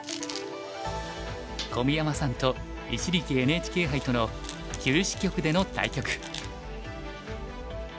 小宮山さんと一力ＮＨＫ杯との九子局での対局。